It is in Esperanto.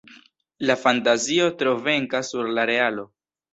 La fantazio tro venkas sur la realo.